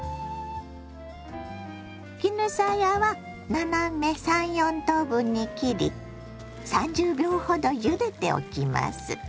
絹さやは斜め３４等分に切り３０秒ほどゆでておきます。